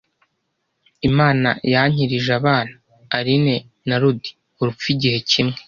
Imana Yankirije abana Aline na Rudy urupfu igihe kimwe